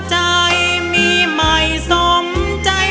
ให้ร้องได้